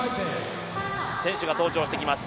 選手が登場してきます、